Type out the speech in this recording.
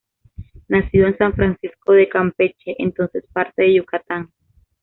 Nacido en San Francisco de Campeche, entonces parte de Yucatán.